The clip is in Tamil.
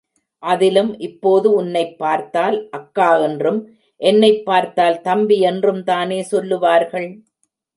அதிலும் இப்போது உன்னைப் பார்த்தால் அக்கா என்றும், என்னைப் பார்த்தால் தம்பி என்றும்தானே சொல்லுவார்கள்?